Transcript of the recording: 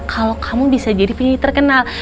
kalau kamu bisa jadi penyanyi terkenal